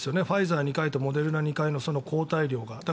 ファイザー２回とモデルナ２回の抗体量が。